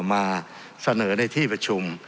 มาเสนอในที่ประชุม